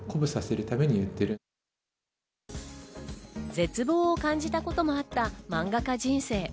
絶望を感じたこともあったマンガ家人生。